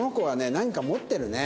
何か持ってるね。